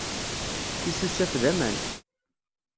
Tisusaf d aman.